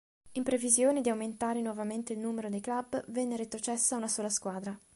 In previsione di aumentare nuovamente il numero dei club, venne retrocessa una sola squadra.